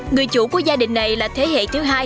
người chủ của gia đình này là thế hệ thứ hai